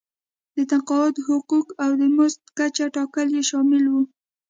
د تقاعد حقوق او د مزد کچه ټاکل یې شامل وو.